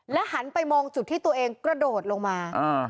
หันไปมองจุดที่ตัวเองกระโดดลงมา